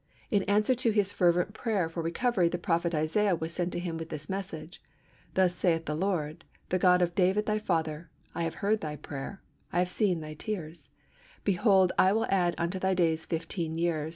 In answer to his fervent prayer for recovery the prophet Isaiah was sent to him with this message:—"Thus saith the Lord, the God of David thy Father, I have heard thy prayer, I have seen thy tears; behold, I will add unto thy days fifteen years